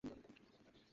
যে তা পায়, সে ধন্য।